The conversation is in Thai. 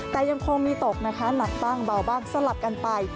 แต่ยังคงมีตกนะคะหนักบ้างเบาบ้างสลับกันไป